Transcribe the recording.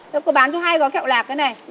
để cô bán cho hai gói kẹo lạc cái này